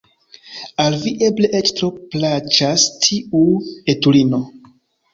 Al vi eble eĉ tro plaĉas tiu etulino!